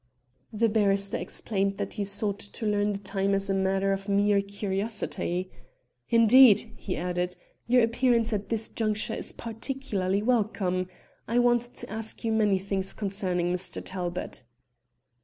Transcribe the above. The barrister explained that he sought to learn the time as a matter of mere curiosity. "Indeed," he added, "your appearance at this juncture is particularly welcome. I want to ask you many things concerning Mr. Talbot."